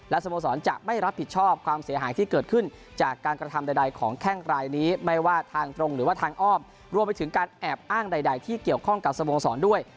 สโมสรจะไม่รับผิดชอบความเสียหายที่เกิดขึ้นจากการกระทำใดของแข้งรายนี้ไม่ว่าทางตรงหรือว่าทางอ้อมรวมไปถึงการแอบอ้างใดที่เกี่ยวข้องกับสโมสรด้วย